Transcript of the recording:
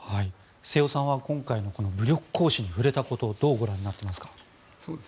瀬尾さんは今回のこの武力行使に触れたことどうご覧になっていますか？